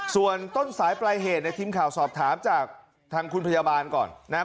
ส่วนต้นสายปลายเหตุในทีมข่าวสอบถามจากทางคุณพยาบาลก่อนนะครับ